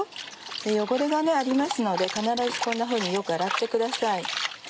汚れがありますので必ずこんなふうによく洗ってください。